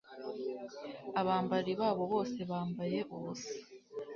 Abambari babo bose bambaye ubusa